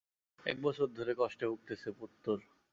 এক বছর ধরে কষ্টে ভুগতেছে, পুত্তর!